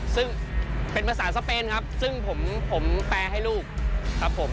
ซึ่งเป็นภาษาสเปนครับซึ่งผมแปลให้ลูกครับผม